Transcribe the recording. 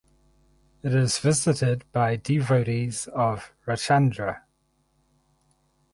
It is visited by devotees of Rajchandra.